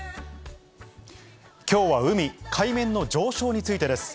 きょうは海、海面の上昇についてです。